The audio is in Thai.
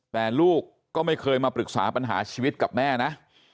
แต่ลูกก็ไม่เคยมาปรึกษาปัญหาชีวิตกับแม่นะ